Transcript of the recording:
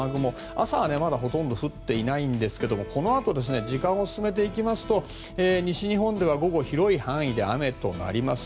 朝はまだほとんど降っていないんですがこのあと時間を進めていきますと西日本では午後、広い範囲で雨となります。